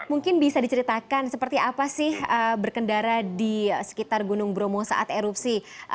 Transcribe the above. mungkin bisa diceritakan seperti apa sih berkendara di sekitar gunung bromo saat erupsi